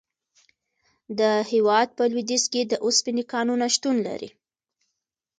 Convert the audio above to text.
د هیواد په لویدیځ کې د اوسپنې کانونه شتون لري.